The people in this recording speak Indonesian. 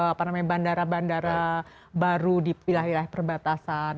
apa namanya bandara bandara baru di wilayah wilayah perbatasan